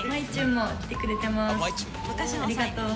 ありがとう。